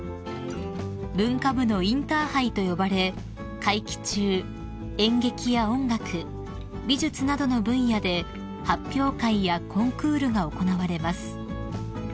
［文化部のインターハイと呼ばれ会期中演劇や音楽美術などの分野で発表会やコンクールが行われます］